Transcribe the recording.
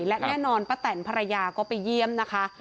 และแน่นอนป้าแตนภรรยาก็ไปเยี่ยมนะคะ